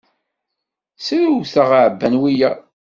Srewteɣ, ɛabban wiyaḍ.